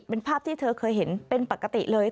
เป็นภาพที่เธอเคยเห็นเป็นปกติเลย